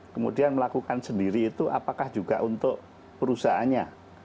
kemudian melakukan sendiri itu apakah juga untuk perusahaannya